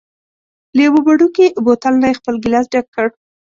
له یوه وړوکي بوتل نه یې خپل ګېلاس ډک کړ.